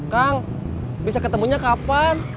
kang bisa ketemunya kapan